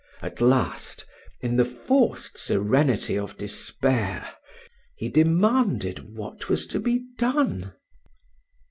At last, in the forced serenity of despair, he demanded what was to be done.